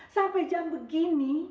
sampai jam begini